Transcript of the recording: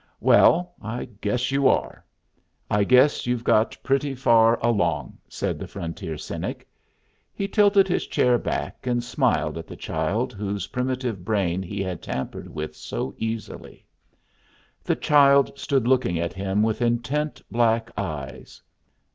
"Well, I guess you are. I guess you've got pretty far along," said the frontier cynic. He tilted his chair back and smiled at the child whose primitive brain he had tampered with so easily. The child stood looking at him with intent black eyes.